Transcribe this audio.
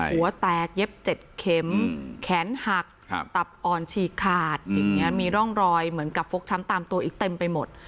หัวแตกเย็บ๗เข็มแขนหักตับอ่อนฉีกขาดอย่างนี้มีร่องรอยเหมือนกับฟกช้ำตามตัวอีกเต็มไปหมด